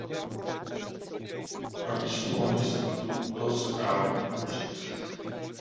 Proto jsme mohli tuto zprávu podpořit.